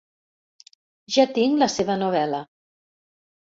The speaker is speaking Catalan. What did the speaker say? Ja tinc la seva novel·la.